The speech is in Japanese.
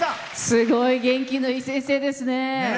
すごい元気のいい先生ですね。